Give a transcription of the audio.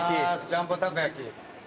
ジャンボたこ焼き。